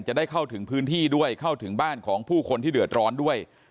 จะได้เข้าถึงพื้นที่ด้วยเข้าถึงบ้านของผู้คนที่เดือดร้อนด้วย